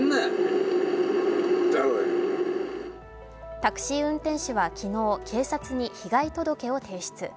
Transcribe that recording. タクシー運転手は昨日、警察に被害届を提出。